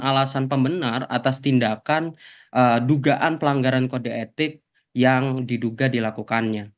alasan pembenar atas tindakan dugaan pelanggaran kode etik yang diduga dilakukannya